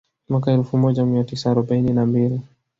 Mwaka elfu moja mia tisa arobaini na mbili